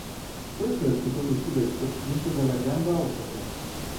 Questo è il secondo scudetto vinto dalla Gamba Osaka.